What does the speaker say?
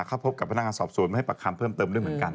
เข้าพบกับพนักงานสอบสวนมาให้ปากคำเพิ่มเติมด้วยเหมือนกัน